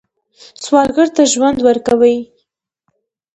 سوالګر ته ژوند ورکوئ